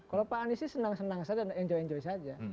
kalau pak anies sih senang senang saja dan enjoy enjoy saja